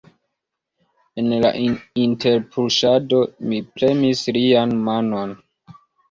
En la interpuŝado mi premis lian manon.